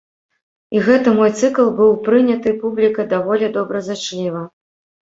І гэты мой цыкл быў прыняты публікай даволі добразычліва.